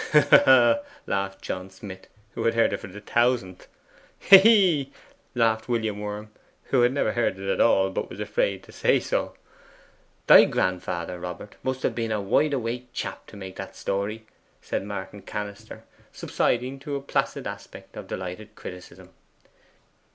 'Huh, huh, huh!' laughed John Smith, who had heard it for the thousandth. 'Hee, hee, hee!' laughed William Worm, who had never heard it at all, but was afraid to say so. 'Thy grandfather, Robert, must have been a wide awake chap to make that story,' said Martin Cannister, subsiding to a placid aspect of delighted criticism.